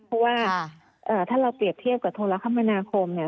เพราะว่าถ้าเราเปรียบเทียบกับโทรคมนาคมเนี่ย